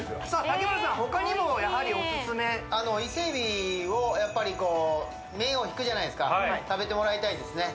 竹村さん他にもやはりおすすめ伊勢海老をやっぱりこう目をひくじゃないですか食べてもらいたいですね